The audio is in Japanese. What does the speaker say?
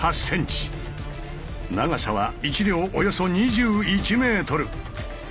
長さは１両およそ２１ｍ。